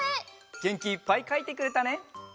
げんきいっぱいかいてくれたね。